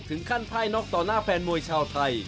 ถึงขั้นพ่ายน็อกต่อหน้าแฟนมวยชาวไทย